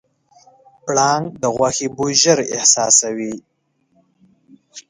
پړانګ د غوښې بوی ژر احساسوي.